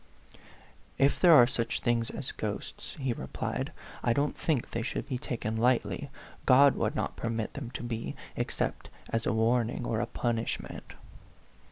"If there are such things as ghosts," he replied," I don't think they should be taken lightly. God would not permit them to be, except as a warning or a punishment."